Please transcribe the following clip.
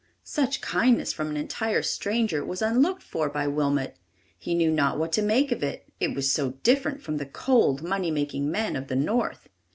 Such kindness from an entire stranger was unlooked for by Wilmot. He knew not what to make of it; it was so different from the cold, money making men of the North.